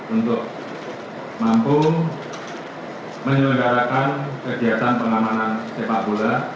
untuk mampu menyelenggarakan kegiatan pengamanan sepak bola